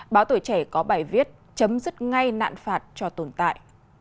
báo tuổi trẻ có bài viết chấm dứt ngay nạn phạt cho tồn tại